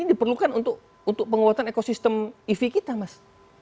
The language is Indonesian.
ini diperlukan untuk penguatan ekosistem ev kita mas